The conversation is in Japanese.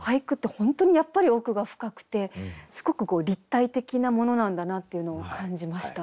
本当にやっぱり奥が深くてすごく立体的なものなんだなっていうのを感じました。